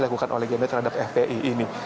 yang dilakukan oleh gmbi terhadap fpi ini